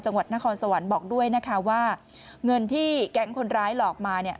จังหวัดนครสวรรค์บอกด้วยนะคะว่าเงินที่แก๊งคนร้ายหลอกมาเนี่ย